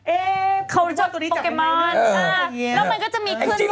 เอ๊เขาจะจับโปเคมอน